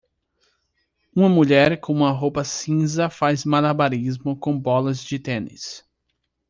Uma mulher com uma roupa cinza faz malabarismo com bolas de tênis.